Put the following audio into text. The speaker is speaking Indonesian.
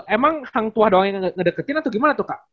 emang hang tua doang yang ngedeketin atau gimana tuh kak